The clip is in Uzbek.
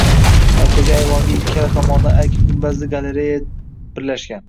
Markaziy ayvonga ikkala tomondan arka-gumbazli galereya birlashgan